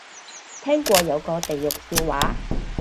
聽過有個地獄笑話